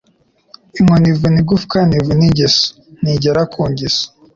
Inkoni ivuna igufwa ntivuna ingeso ( ntigera ku ngeso)